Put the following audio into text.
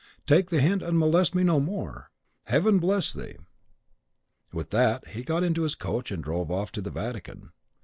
Take the hint and molest me no more. Heaven bless thee!' With that he got into his coach, and drove off to the Vatican.